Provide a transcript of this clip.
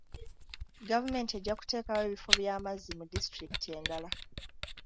Gavumenti ejja kuteekawo ebifo by'amazzi mu disitulikiti endala.